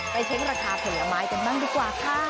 เช็คราคาผลไม้กันบ้างดีกว่าค่ะ